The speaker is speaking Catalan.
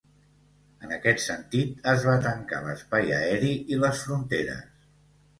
En aquest sentit, es va tancar l’espai aeri i les fronteres.